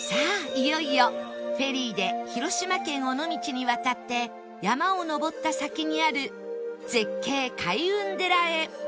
いよいよフェリーで広島県尾道に渡って山を登った先にある絶景開運寺へ